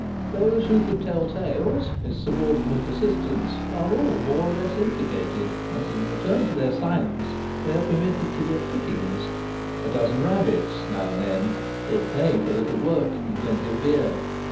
Those who could tell tales — his subordinate assist ants — are all more or less implicated, as in return for their silence they are permitted to get pickings : a dozen rabbits now and then, good pay for little work, and plenty of beer.